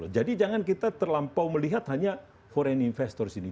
jadi jangan kita terlampau melihat hanya foreign investor di sini